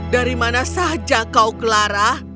dari mana saja kau clara